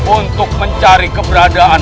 untuk mencari kebenaran